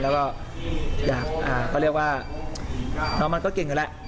แล้วก็อยากเขาเรียกว่าน้องมันก็เก่งอยู่แล้ว